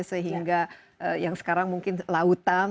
sehingga yang sekarang mungkin lautan